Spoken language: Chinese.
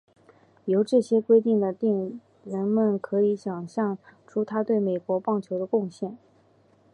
由这些规则的订定人们可以想像出他对美国棒球的贡献。